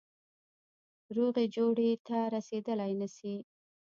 روغي جوړي ته رسېدلای نه سي.